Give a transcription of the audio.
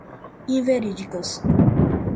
inverídicas